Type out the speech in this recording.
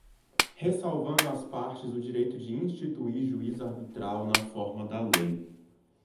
ressalvado às partes o direito de instituir juízo arbitral, na forma da lei.